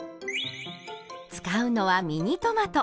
使うのはミニトマト。